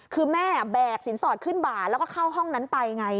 คือแม่แบกสินสอดขึ้นบ่าแล้วก็เข้าห้องนั้นไปไง